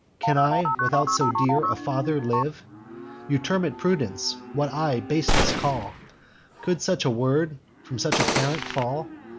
Can I, without so dear a father, live? You term it prudence, what I baseness call: Could such a word from such a parent fall?